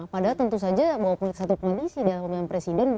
padahal tentu saja bahwa satu koalisi adalah pemilihan presiden